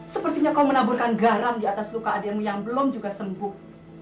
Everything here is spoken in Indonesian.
sepertinya kau menaburkan garam di atas luka adikmu yang belum juga sembuh